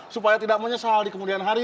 supaya tidak menyesal di kemudian hari